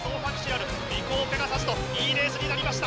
ビコーペガサスといいレースになりました。